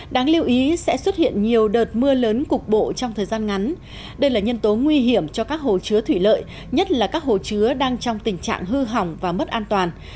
đáng lưu ý sẽ xuất hiện nhiều đợt mưa lớn cục bộ trong thời gian ngắn đây là nhân tố nguy hiểm cho các hồ chứa thủy lợi nhất là các hồ chứa đang trong tình trạng hư hỏng và mất an toàn